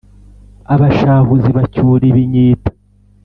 Abashahuzi bacyura ibinyita